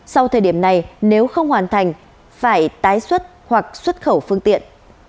sau thời điểm này nếu không hoàn thành phải tái xuất hoặc xuất khẩu phương tiện